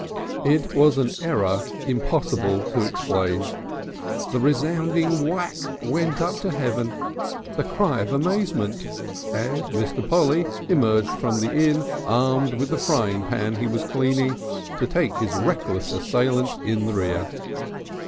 It was an error impossible to explain; the resounding whack went up to heaven, the cry of amazement, and Mr. Polly emerged from the inn armed with the frying pan he was cleaning, to take this reckless assailant in the rear.